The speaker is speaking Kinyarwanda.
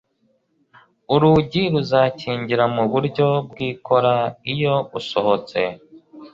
Urugi ruzakingira mu buryo bwikora iyo usohotse